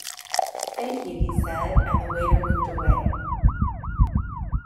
"Thank you," he said, and the waiter moved away.